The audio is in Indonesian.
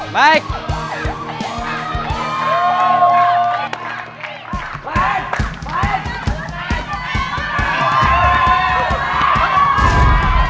biar aku yang ganti